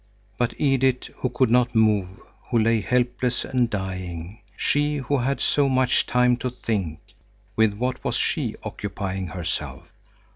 But Edith, who could not move, who lay helpless and dying, she who had so much time to think, with what was she occupying herself?